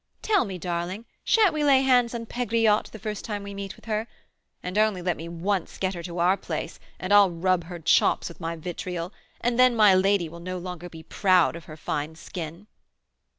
"Tell me, darling, sha'n't we lay hands on Pegriotte the first time we meet with her? And only let me once get her to our place, and I'll rub her chops with my vitriol, and then my lady will no longer be proud of her fine skin."